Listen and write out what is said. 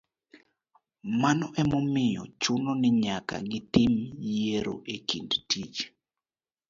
Mano ema omiyo chuno ni nyaka gitim yiero e kind tich